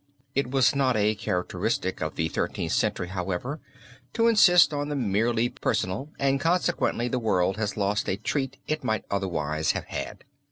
It was not a characteristic of the Thirteenth Century, however, to insist on the merely personal and consequently the world has lost a treat it might otherwise have had.